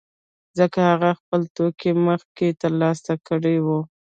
ځکه هغه خپل توکي مخکې ترلاسه کړي وو